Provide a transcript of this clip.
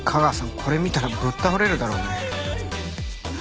これ見たらぶっ倒れるだろうね。